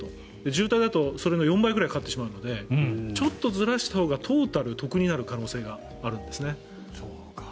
渋滞だとそれの４倍ぐらいかかってしまうのでちょっとずらしたほうがトータル、得になる可能性があるんですね